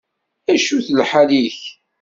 Acu d lḥal-ik?